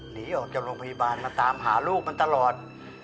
หนีออกจากโรงพยาบาลมาตามหาลูกมันตลอด